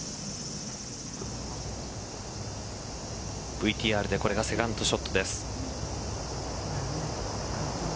ＶＴＲでこれがセカンドショットです。